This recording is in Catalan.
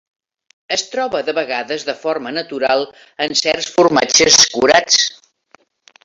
Es troba de vegades de forma natural en certs formatges curats.